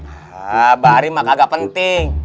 ah ba'ari mah agak penting